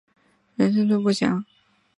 生卒年不详。